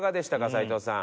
斉藤さん」